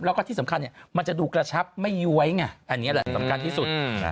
แล้วก็ที่สำคัญเนี่ยมันจะดูกระชับไม่ย้วยไงอันนี้แหละสำคัญที่สุด